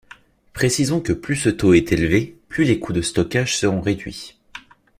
Précisons que plus ce taux est élevé, plus les coûts de stockage seront réduits.